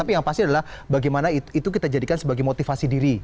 tapi yang pasti adalah bagaimana itu kita jadikan sebagai motivasi diri